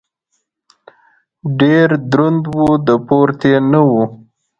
ډېر دروند و . د پورتې نه و.